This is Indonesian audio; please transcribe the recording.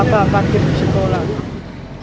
bapak pakir sekolah